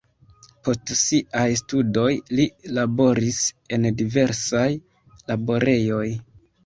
Post siaj studoj li laboris en diversaj laborejoj.